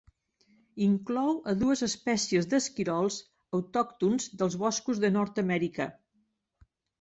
Inclou a dues espècies d'esquirols autòctons dels boscos de Nord-amèrica.